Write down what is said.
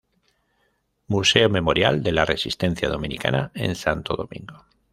Museo Memorial de la Resistencia Dominicana, en Santo Domingo.